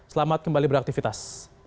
selamat kembali beraktifitas